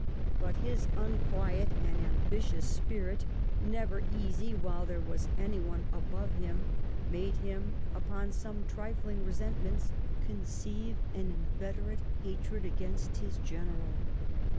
But, his unquiet and ambitious spirit, never easy while there was anyone above him, made him, upon some trifling resentments, conceive an inveterate hatred against his general.